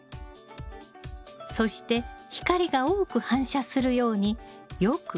そして光が多く反射するようによくもみます。